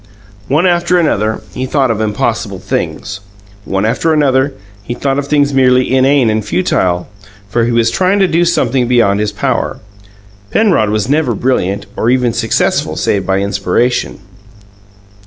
One after another, he thought of impossible things; one after another, he thought of things merely inane and futile, for he was trying to do something beyond his power. Penrod was never brilliant, or even successful, save by inspiration.